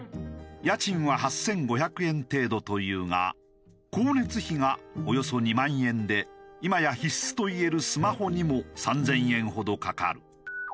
家賃は８５００円程度というが光熱費がおよそ２万円で今や必須といえるスマホにも３０００円ほどかかる。